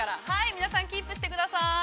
皆さん、キープしてください。